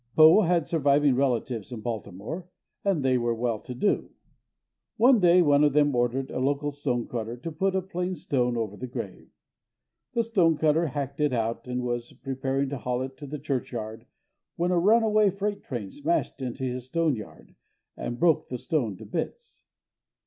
Poe had surviving relatives in Baltimore, and they were well to do. One day one of them ordered a local stonecutter to put a plain stone over the grave. The stonecutter hacked it out and was preparing to haul it to the churchyard when a runaway freight train smashed into his stone yard and broke the stone to bits.